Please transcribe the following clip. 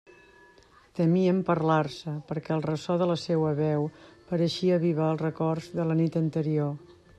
Temien parlar-se, perquè el ressò de la seua veu pareixia avivar els records de la nit anterior.